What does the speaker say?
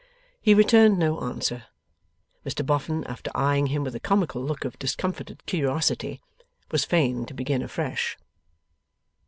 He returned no answer. Mr Boffin, after eyeing him with a comical look of discomfited curiosity, was fain to begin afresh.